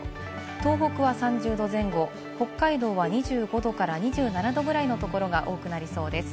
東北は３０℃前後、北海道は２５度から２７度ぐらいのところが多くなりそうです。